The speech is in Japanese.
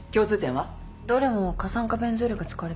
どれも過酸化ベンゾイルが使われています。